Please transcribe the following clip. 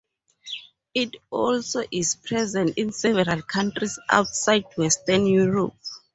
It also is present in several countries outside Western Europe.